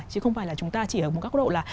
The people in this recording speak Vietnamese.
chứ không phải là chúng ta chỉ ở một góc độ là